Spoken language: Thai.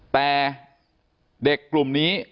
แต่เด็กกลุ่มนี้